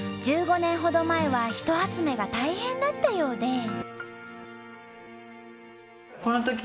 １５年ほど前は人集めが大変だったようで。